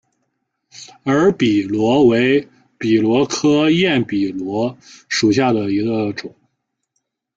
耳笔螺为笔螺科焰笔螺属下的一个种。